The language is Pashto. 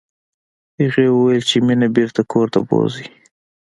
هغې وویل چې مينه بېرته کور ته بوزئ